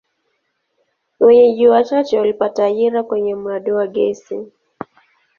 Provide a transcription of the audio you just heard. Wenyeji wachache walipata ajira kwenye mradi wa gesi.